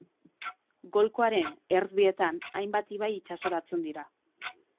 Golkoaren ertz bietan hainbat ibai itsasoratzen dira.